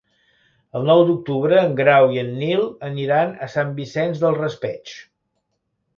El nou d'octubre en Grau i en Nil aniran a Sant Vicent del Raspeig.